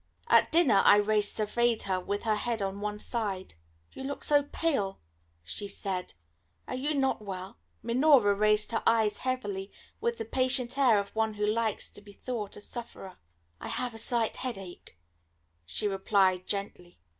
At dinner Irais surveyed her with her head on one side. "You look so pale," she said; "are you not well?" Minora raised her eyes heavily, with the patient air of one who likes to be thought a sufferer. "I have a slight headache," she replied gently.